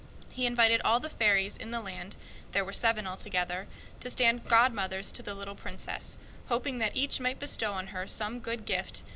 He asked all the fairies in the land—there were seven found in the kingdom—to stand godmothers to the little Princess; hoping that each might bestow on her some good gift.